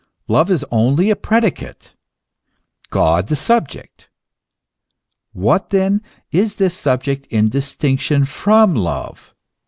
Love is only a predicate, God the subject. What, then, is this subject in distinction from love